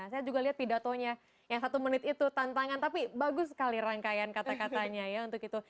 saya juga lihat pidatonya yang satu menit itu tantangan tapi bagus sekali rangkaian kata katanya ya untuk itu